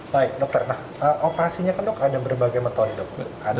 baik dokter nah operasinya kan dok ada berbagai metode dok